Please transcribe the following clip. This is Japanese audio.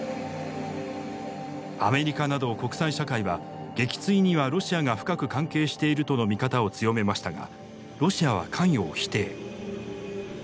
アメリカなど国際社会は撃墜にはロシアが深く関係しているとの見方を強めましたがロシアは関与を否定。